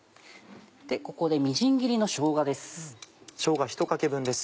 ここでみじん切りのしょうがです。